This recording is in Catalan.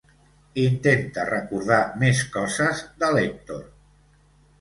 Intenta recordar més coses de l'Èctor.